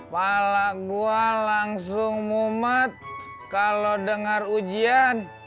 palak gue langsung mumat kalau dengar ujian